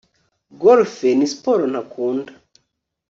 Golf ni siporo ntakunda